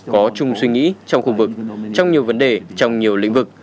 có chung suy nghĩ trong khu vực trong nhiều vấn đề trong nhiều lĩnh vực